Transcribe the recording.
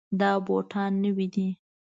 دا بوټان نوي دي.